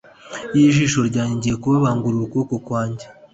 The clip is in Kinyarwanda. y ijisho ryanjye ngiye kubabangurira ukuboko kwanjye